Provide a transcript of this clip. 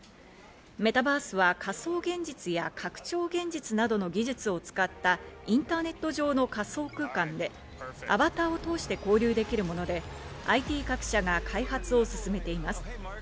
メタバースは仮想現実や拡張現実などの技術を使ったインターネット上の仮想空間でアバターを通して交流できるものでＩＴ各社が開発を進めています。